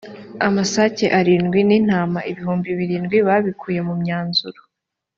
amasake arindwi n’intama ibihumbi birindwi babikuye mu myanzuro